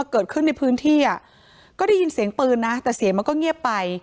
เกิดขึ้นในพื้นที่อ่ะก็ได้ยินเสียงปืนนะแต่เสียงมันก็เงียบไป